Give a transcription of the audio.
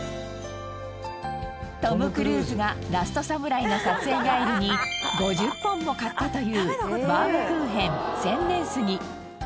トム・クルーズが『ラストサムライ』の撮影帰りに５０本も買ったというバウムクーヘン千年杉。